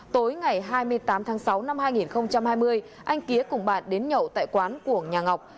tối ngày hai mươi tám tháng sáu năm hai nghìn hai mươi anh kýa cùng bạn đến nhậu tại quán của nhà ngọc